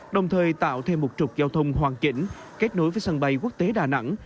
đồng thời tạo thêm một trục giao thông hoàn chỉnh kết nối với sân bay quốc tế đà nẵng